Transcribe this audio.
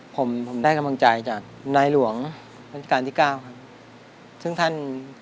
ผมได้กำลังใจจากนายหลวงบริการที่๙ครับซึ่งท่าน